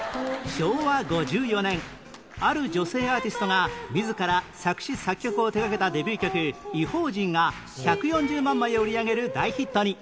昭和５４年ある女性アーティストが自ら作詞・作曲を手掛けたデビュー曲『異邦人』が１４０万枚を売り上げる大ヒットに